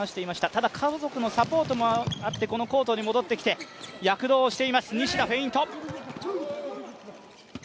ただ家族のサポートもあってこのコートに戻ってきて躍動をしています。